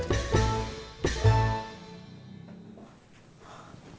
nanti gue jalan